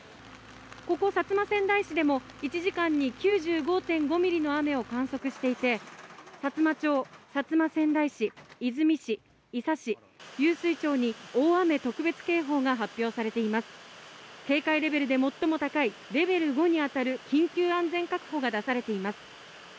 ここ薩摩川内市でも１時間に９５．５ミリの雨を観測し、さつま町、薩摩川内市、出水市、伊佐市、湧水町に大雨特別警報が発表され、警戒レベルで最も高いレベル５に当たる緊急安全確保が出されています。